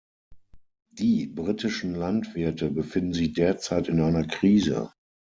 Die britischen Landwirte befinden sich derzeit in einer Krise.